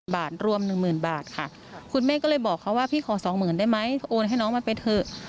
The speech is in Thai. บาทรวม๑๐๐๐บาทค่ะคุณแม่ก็เลยบอกเขาว่าพี่ขอสองหมื่นได้ไหมโอนให้น้องมันไปเถอะ